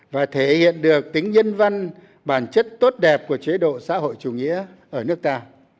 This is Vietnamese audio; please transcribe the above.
và thể hiện được tính nhân văn bản chất tốt đẹp của chế độ xã hội chủ nghĩa ở nước ta